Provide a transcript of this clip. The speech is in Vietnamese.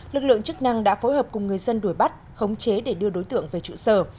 lực lượng chức năng đã phối hợp cùng người dân đuổi bắt khống chế để đưa đối tượng về trụ sở